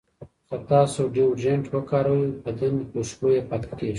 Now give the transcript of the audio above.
که تاسو ډیوډرنټ وکاروئ، بدن خوشبویه پاتې کېږي.